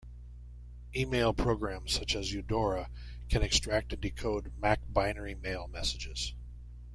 E-mail programs such as Eudora can extract and decode MacBinary mail messages.